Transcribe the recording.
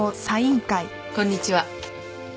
こんにちは。